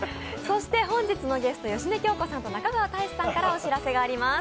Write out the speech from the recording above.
本日のゲスト、芳根京子さんと中川大志さんからお知らせがあります。